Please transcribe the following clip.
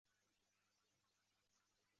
协助训练。